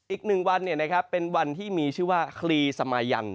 อีก๑วันเป็นวันที่มีชื่อว่าคลีสมายัน